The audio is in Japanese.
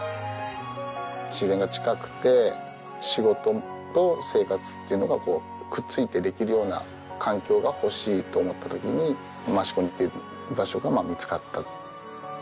自然が近くて仕事と生活っていうのがくっついてできるような環境が欲しいと思った時に益子っていう場所が見つかった。